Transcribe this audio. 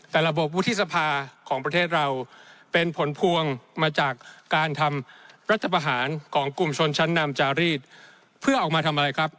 แต่ระบบวุฒิสภาของประเทศเราเป็นผลพวงมาจากการทำรัฐประหารของกลุ่มชนชั้นนำจารีสเพื่อออกมาทำอะไรครับ